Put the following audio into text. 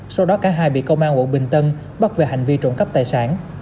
sau đó cả hai bị công an quận bình tân bắt về hành vi trộm cắp tài sản